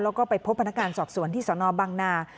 แล้วก็ไปพบพนักงานสอบสวนที่สนบังนา